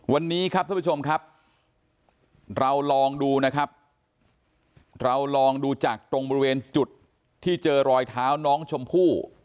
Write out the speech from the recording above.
วันนี้ครับท่านผู้ชมครับเราลองดูนะครับเราลองดูจากตรงบริเวณจุดที่เจอรอยเท้าน้องชมพู่